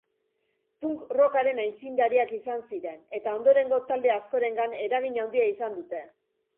Punk-rockaren aitzindariak izan ziren eta ondorengo talde askorengan eragin handia izan dute.